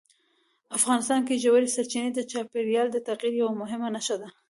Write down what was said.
افغانستان کې ژورې سرچینې د چاپېریال د تغیر یوه مهمه نښه ده.